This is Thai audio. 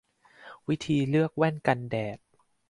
วิธีเลือกแว่นกันแดด